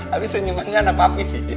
habis senyumannya anak papi sih